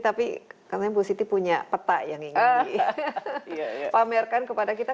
tapi katanya bu siti punya peta yang ingin dipamerkan kepada kita